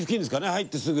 入ってすぐ。